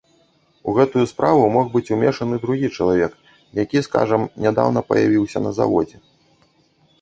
У гэтую справу мог быць умешаны другі чалавек, які, скажам, нядаўна паявіўся на заводзе.